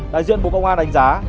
đại diện bộ công an đánh giá